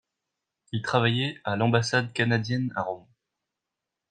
Il travaillait à l'ambassade canadienne à Rome.